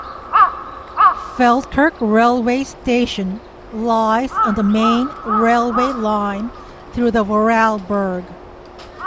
Feldkirch railway station lies on the main railway line through the Vorarlberg.